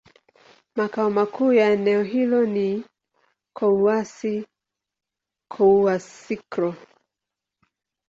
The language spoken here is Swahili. Makao makuu ya eneo hilo ni Kouassi-Kouassikro.